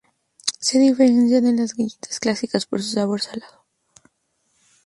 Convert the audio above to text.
Se diferencia de las galletas clásicas por su sabor salado.